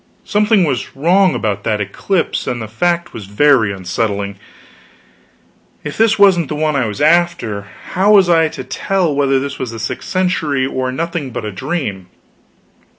Something was wrong about that eclipse, and the fact was very unsettling. If this wasn't the one I was after, how was I to tell whether this was the sixth century, or nothing but a dream?